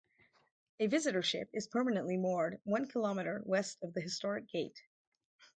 A visitor ship is permanently moored one kilometer west of the historic gate.